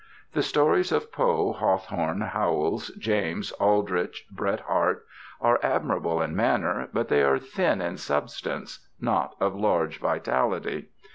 The stories of Poe, Hawthorne, Howells, James, Aldrich, Bret Harte, are admirable in manner, but they are thin in substance, not of large vitality.